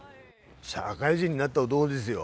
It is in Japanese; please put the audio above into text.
社会人になった男ですよ。